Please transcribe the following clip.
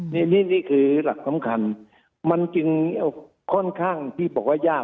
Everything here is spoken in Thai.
นี่นี่คือหลักสำคัญมันจึงค่อนข้างที่บอกว่ายาก